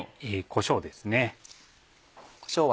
こしょうですね。